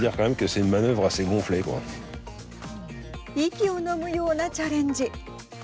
息をのむようなチャレンジ。